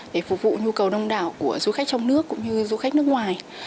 để phục vụ nhu cầu đông đảo của du khách trong nước cũng như du khách nước ngoài